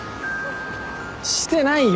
してないよ！